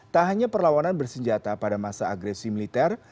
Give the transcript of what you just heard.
tak hanya perlawanan bersenjata pada masa agresi militer